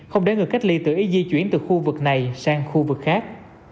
không để người cách ly tự ý di chuyển từ khu vực này sang khu vực khác